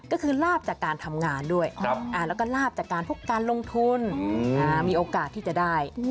ก็คือลาบจากการทำงานด้วยแล้วก็ลาบจากการพวกการลงทุนมีโอกาสที่จะได้